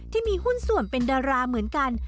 ที่มีหุ้นส่วนเป็นดาราเหมือนกัน